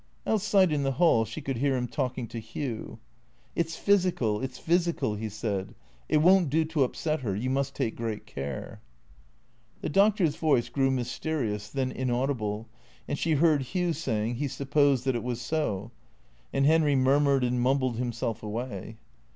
Outside in the hall she could hear him talking to Hugh. " It 's physical, it 's physical," he said. " It won't do to up set her. You must take great care." The doctor's voice grew mysterious, then inaudible, and she heard Hugh saying he supposed that it was so ; and Henry mur mured and mumbled himself away.